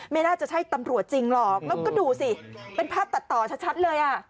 ไม่น่าจะใช่ตำรวจจริงหรอกแล้วก็ดูสิเป็นภาพตัดต่อชัดเลยอ่ะ